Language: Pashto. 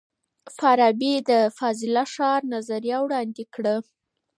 فارابي د فاضله ښار نظریه وړاندې کړه.